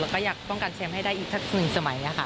ก็อยากป้องกันแชมป์ให้ได้อีกสักหนึ่งสมัย